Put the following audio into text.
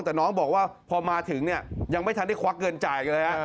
แต่น้องบอกว่าพอมาถึงยังไม่ทันได้ควักเงินจ่ายอีกแล้ว